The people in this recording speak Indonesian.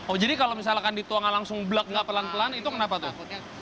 oh jadi kalau misalkan dituangkan langsung blek nggak pelan pelan itu kenapa tuh